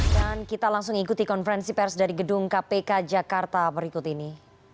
dan kita langsung ikuti konferensi pers dari gedung kpk jakarta berikut ini